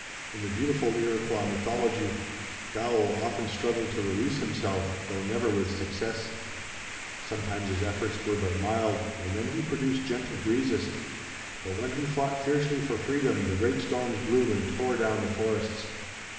In the beautiful Iroquois mythology, Gaoh often struggled to release himself, though never with success. Sometimes his efforts were but mild, and then he produced gentle breezes, but when he fought fiercely for freedom the great storms blew and tore down the forests.